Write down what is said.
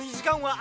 あ。